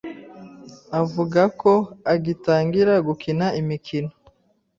avuga ko agitangira gukina imikino